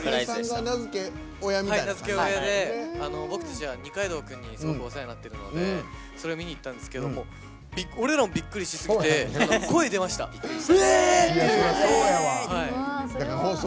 名付け親で僕たちは二階堂君にすごくお世話になってるので見に行ったんですけど俺らもびっくりしすぎて声、出ました「えー！」